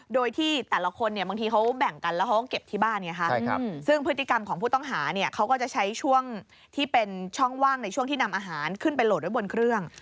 โดยที่แต่ละคนเนี่ยบางทีเขาแบ่งกันแล้วเขาก็เก็บที่บ้านไงคะซึ่งพฤติกรรมของผู้ต้องหาเนี่ยเขาก็จะใช้ช่วงที่เป็นช่องว่างในช่วงที่นำอาหารขึ้นไปโหลดไว้บนเครื่อง